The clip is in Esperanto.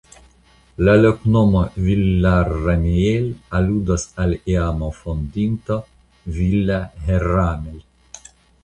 La loknomo "Villarramiel" aludas al iama fondinto ("Villa Herramel").